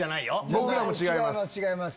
僕らも違います。